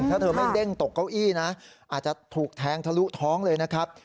ถ้าเธอไม่เด้งตกเก้าอี้นะอาจจะถูกแทงทะลุท้องเลยนะครับ